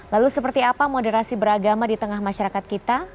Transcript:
lalu seperti apa moderasi beragama di tengah masyarakat kita